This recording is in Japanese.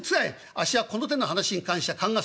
あっしはこの手の話に関しちゃ勘が鋭いんだ」。